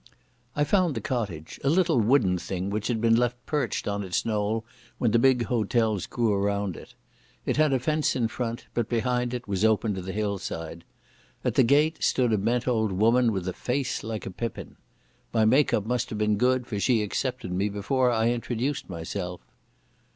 I found the cottage, a little wooden thing which had been left perched on its knoll when the big hotels grew around it. It had a fence in front, but behind it was open to the hillside. At the gate stood a bent old woman with a face like a pippin. My make up must have been good, for she accepted me before I introduced myself.